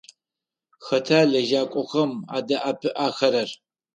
Хэта лэжьакӏохэм адэӏэпыӏэхэрэр?